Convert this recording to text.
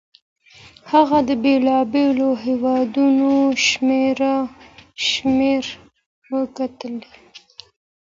هغه د بېلابېلو هيوادونو شمېرې وکتلې.